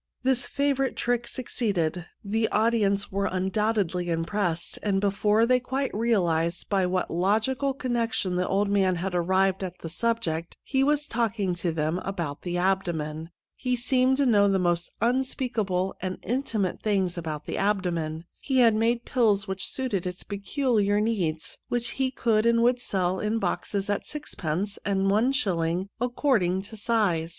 This favourite trick succeeded ; the audience were un doubtedly impressed, and before they quite realized by what logical connection the old man had arrived at the subject, he was talking to them about the abdomen. He seemed to know the most unspeak able and intimate things about the abdomen. He had made pills which suited its peculiar needs, which he could and would sell in boxes at sixpence and one shilling, according to size.